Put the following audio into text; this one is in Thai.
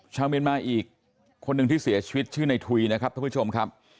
ชาวเมียนมาอีกคนนึงที่เสียชีวิตชื่อในทุยนะครับท่านผู้ชมครับ